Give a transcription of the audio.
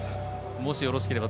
もし、よろしければ。